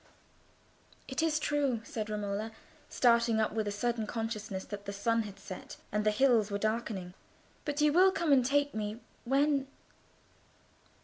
"It is true," said Romola, starting up with a sudden consciousness that the sun had set and the hills were darkening; "but you will come and take me—when?"